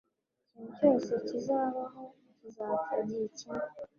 Ikintu cyose kizabaho kizapfa igihe kimwe.